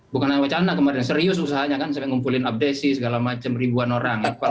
bukan hanya wacana kemarin serius usahanya kan sampai ngumpulin abdesi segala macam ribuan orang